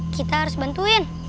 kita harus bantuin